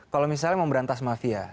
kalau misalnya mau berantas mafia